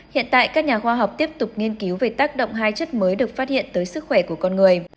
hiện tại các nhà khoa học tiếp tục nghiên cứu về tác động hai chất mới được phát hiện tới sức khỏe của con người